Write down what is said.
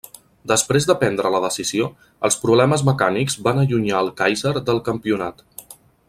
Després de prendre la decisió, els problemes mecànics van allunyar el Kàiser del campionat.